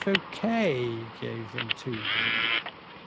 Fouquet gave them to me."